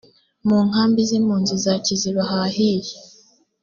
mu nkambi z impunzi za kiziba hahiye